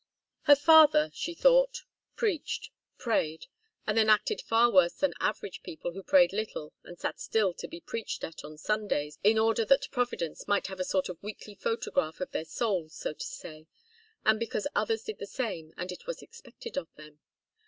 Her father, she thought, preached, prayed and then acted far worse than average people who prayed little and sat still to be preached at on Sundays, in order that Providence might have a sort of weekly photograph of their souls, so to say, and because others did the same and it was expected of them.